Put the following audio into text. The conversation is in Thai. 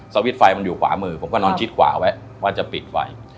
สวิตช์ไฟมันอยู่ขวามือผมก็นอนชิดขวาไว้ว่าจะปิดไฟ